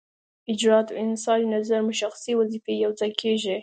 حجرات او انساج نظر مشخصې وظیفې یوځای کیږي.